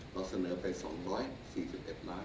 เราเสนอไป๒๔๑ล้าน